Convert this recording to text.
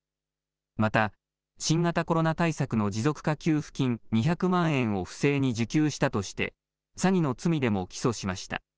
また、新型コロナ対策の持続化給付金２００万円を不正に受給したとして、詐欺の罪でも起訴しました。